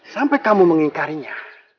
sampai kamu mengingkarinya